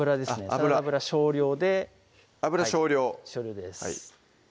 サラダ油少量で油少量少量です